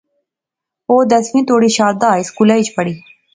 او دسویں توڑیں شاردا ہائی سکولے وچ پڑھیا